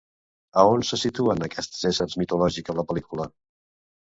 A on se situaren aquests éssers mitològics a la pel·lícula?